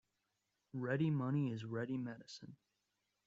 Ready money is ready medicine.